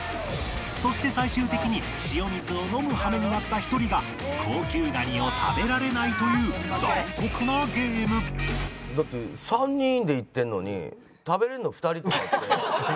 そして最終的に塩水を飲む羽目になった１人が高級蟹を食べられないという残酷なゲームだって３人で行ってるのに食べられるの２人とかって。